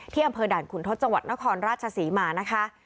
อำเภอด่านขุนทศจังหวัดนครราชศรีมานะคะ